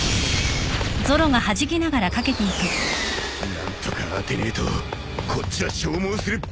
何とか当てねえとこっちは消耗するばっかりだ。